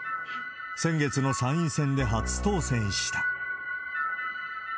先月の参院選で初当選した。